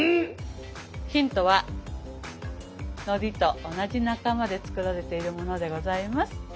ヒントはのりと同じ仲間で作られているものでございます。